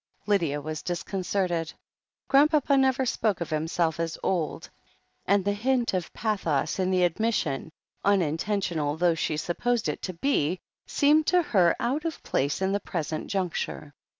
Lydia was disconcerted. Grandpapa never spoke of himself as old, and the hint of pathos in the admis sion, unintentional though she supposed it to be, seemed to her out of place in the present juncture.